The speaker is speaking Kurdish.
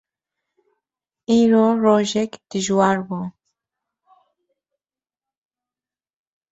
Îro rojek dijwar bû.